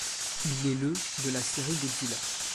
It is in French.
Il est le de la série Godzilla.